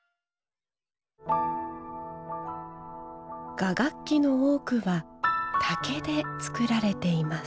雅楽器の多くは竹で作られています。